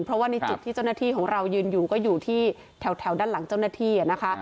เพราะว่าในจุดที่เจ้าหน้าที่ของเรายืนอยู่ก็อยู่ที่แถวด้านหลังเจ้าหน้าที่นะคะ